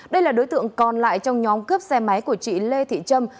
đây là đối tượng còn lại trong nhóm cướp xe máy của chị lê thị trâm